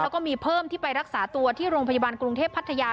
แล้วก็มีเพิ่มที่ไปรักษาตัวที่โรงพยาบาลกรุงเทพพัทยา